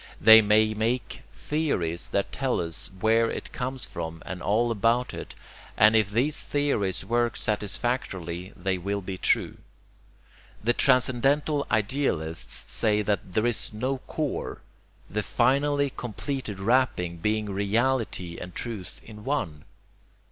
They may make theories that tell us where it comes from and all about it; and if these theories work satisfactorily they will be true. The transcendental idealists say there is no core, the finally completed wrapping being reality and truth in one.